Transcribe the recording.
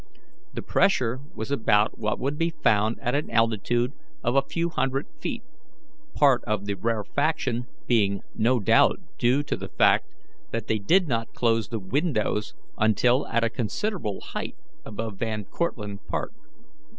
The pressure was about what would be found at an altitude of a few hundred feet, part of the rarefaction being no doubt due to the fact that they did not close the windows until at a considerable height above Van Cortlandt Park.